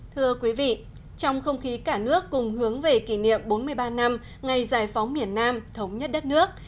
thưa quý vị trong không khí cả nước cùng hướng về kỷ niệm bốn mươi ba năm ngày giải phóng miền nam thống nhất đất nước